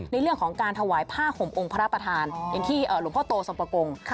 ในเรื่องของการถวายผ้าห่มองค์พระประธานอย่างที่หลวงพ่อโตสมประกง